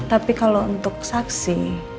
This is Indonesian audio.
tapi kalau untuk saksi